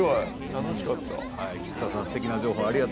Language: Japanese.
楽しかった。